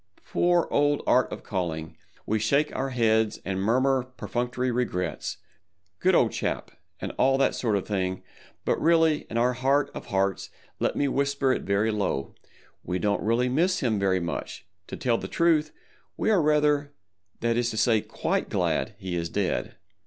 Poor old Art of Calling! We shake our heads and murmur perfunctory regrets—"good old chap," and all that sort of thing, but really in our heart of hearts, let me whisper it very low—we don't really miss him very much; to tell the truth, we are rather, that is to say, quite glad he is dead.